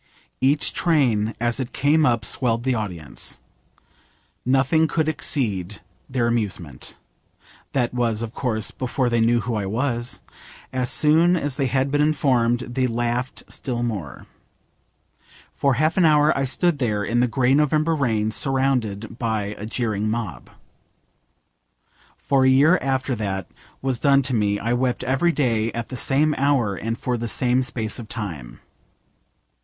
Each train as it came up swelled the audience. Nothing could exceed their amusement. That was, of course, before they knew who I was. As soon as they had been informed they laughed still more. For half an hour I stood there in the grey November rain surrounded by a jeering mob. For a year after that was done to me I wept every day at the same hour and for the same space of time.